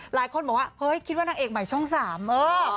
หลายคนบอกว่าเฮ้ยคิดว่านางเอกใหม่ช่องสามเออ